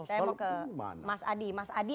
saya mau ke mas adi